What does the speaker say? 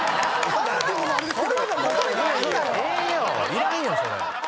いらんよそれ。